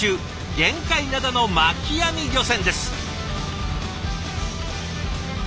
玄界灘の巻き網漁船です。